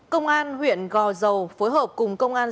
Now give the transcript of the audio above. công an huyện gò dầu phối hợp cùng công an